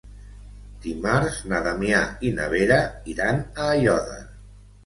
Dimarts na Damià i na Vera iran a Aiòder.